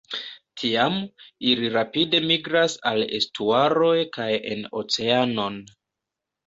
Tiam, ili rapide migras al estuaroj kaj en oceanon.